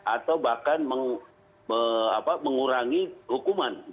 atau bahkan mengurangi hukuman